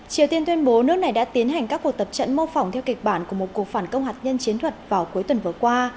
triều tiên tuyên bố nước này đã tiến hành các cuộc tập trận mô phỏng theo kịch bản của một cuộc phản công hạt nhân chiến thuật vào cuối tuần vừa qua